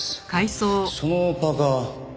そのパーカ。